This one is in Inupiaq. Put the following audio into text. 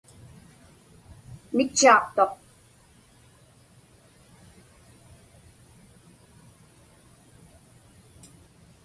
Mitchaaqtuq.